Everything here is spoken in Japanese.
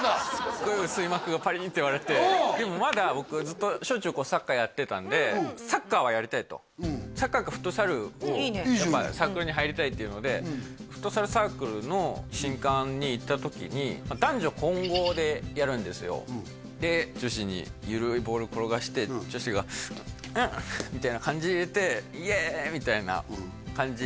すごい薄い膜がパリンと割れてでもまだ僕ずっと小中高サッカーやってたんでサッカーはやりたいとサッカーかフットサルをサークルに入りたいっていうのでフットサルサークルの新歓に行った時に男女混合でやるんですよで女子に緩いボール転がして女子がんっみたいな感じで入れて「イエーイ」みたいな感じ